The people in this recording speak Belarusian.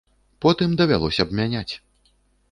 Потым давялося б мяняць.